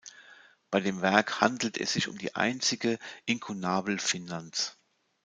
Bei dem Werk handelt es sich um die einzige Inkunabel Finnlands.